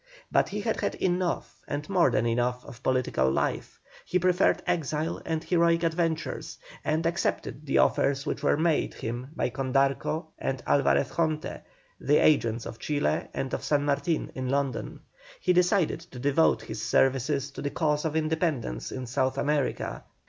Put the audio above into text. But he had had enough and more than enough of political life; he preferred exile and heroic adventures, and accepted the offers which were made him by Condarco and Alvarez Jonte, the agents of Chile and of San Martin in London. He decided to devote his services to the cause of independence in South America.